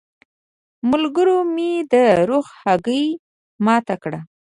ملګرو مې د رخ هګۍ ماته کړه.